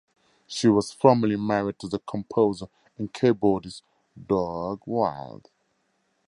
She was formerly married to the composer and keyboardist Doug Wilde.